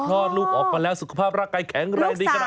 คลอดลูกออกมาแล้วสุขภาพร่างกายแข็งแรงดีขนาดนี้